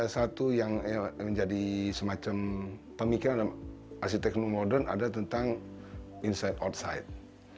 satu yang menjadi semacam pemikiran asisten modern adalah tentang inside outside